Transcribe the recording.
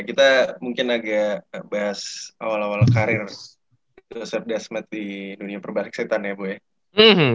kita mungkin agak bahas awal awal karir dasmed di dunia perbalik setan ya bu ya